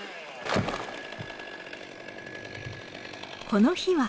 この日は。